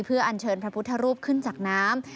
เพื่ออัญเชิญพระพุทธรูปขึ้นจากน้ำ